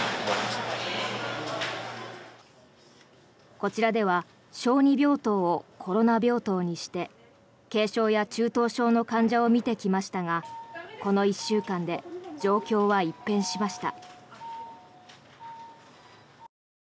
こちらでは小児病棟をコロナ病棟にして軽症や中等症の患者を診てきましたがこの１週間で状況は一変しました。